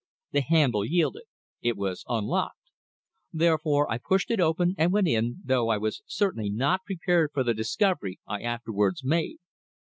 The handle yielded. It was unlocked. Therefore I pushed it open and went in, though I was certainly not prepared for the discovery I afterwards made.